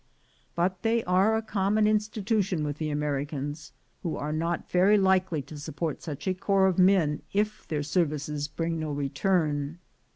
But they are a common institution with the Americans, who are not very likely to support such a corps of men if their services bring no return.